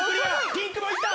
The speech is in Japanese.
ピンクもいった。